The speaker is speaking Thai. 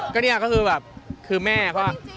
ก็เนี่ยก็คือแบบคือแม่เพราะว่า